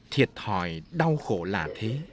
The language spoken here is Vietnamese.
thiệt thòi đau khổ là thế